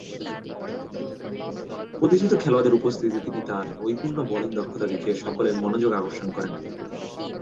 প্রতিষ্ঠিত খেলোয়াড়দের অনুপস্থিতিতে তিনি তার নিপুণ বোলিং দক্ষতা দেখিয়ে সকলের মনোযোগ আকর্ষণ করেন।